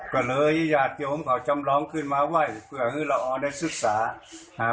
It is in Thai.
ก็เลยหยาดเยินของเราที่เราออกน้ำค่ะ